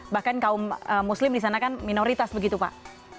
bahkan kaum muslim di sana kan minoritas begitu pak